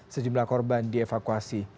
sejumlah korban dievakuasi